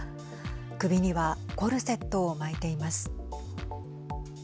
首にはコルセットを巻いています。